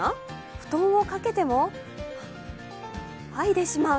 布団をかけても、はいでしまう。